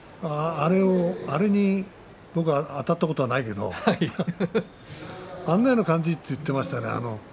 あれに僕はあたったことはないけれどあのような感じと言っていましたね。